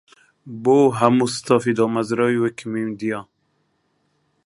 بۆ: هەموو ستافی دامەزراوەی ویکیمیدیا.